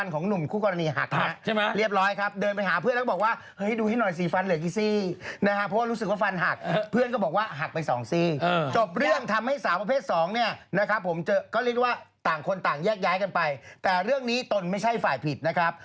คุณผู้ชมหนักกว่าผู้ชายนะครับ